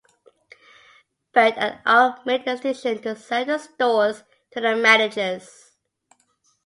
Burt and Irv made the decision to sell the stores to the managers.